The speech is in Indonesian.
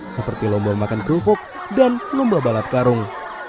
seperti lomba makan kerupuk dan lomba balap karung